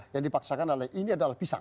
yang dipaksakan oleh ini adalah pisang